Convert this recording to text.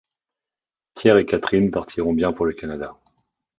Pierre et Catherine partiront bien pour le Canada.